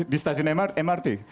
di stasiun mrt